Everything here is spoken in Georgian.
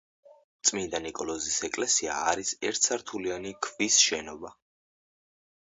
წმინდა ნიკოლოზის ეკლესია არის ერთსართულიანი ქვის შენობა.